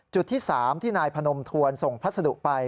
จุดที่๓ที่นายพนมทวนส่งพัสดุไป